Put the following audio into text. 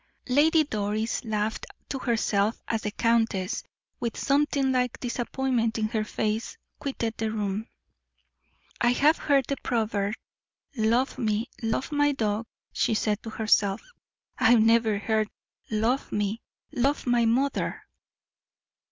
Lady Doris laughed to herself as the countess, with something like disappointment in her face, quitted the room. "I have heard the proverb, 'Love me, love my dog,'" she said to herself. "I never heard, 'Love me, love my mother.'"